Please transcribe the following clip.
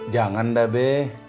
jangan dah be